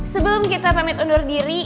sebelum kita pamit undur diri